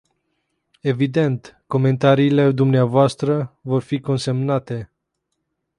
Evident, comentariile dumneavoastră vor fi consemnate.